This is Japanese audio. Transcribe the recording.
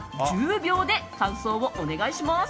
１０秒で感想をお願いします。